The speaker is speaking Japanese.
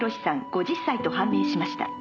５０歳と判明しました」